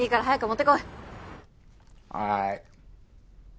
はい。